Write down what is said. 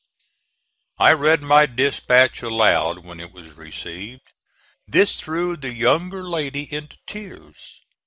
I read my dispatch aloud, when it was received. This threw the younger lady into tears.